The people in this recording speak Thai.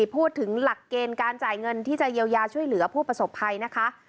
พูดถึงหลักเกณฑ์การจ่ายเงินที่จะเยียวยาช่วยเหลือผู้ประสบภัยนะคะ